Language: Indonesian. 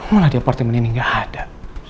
mulai di apartemen ini nggak ada